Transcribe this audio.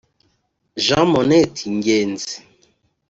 Jean Monnet Ngenzi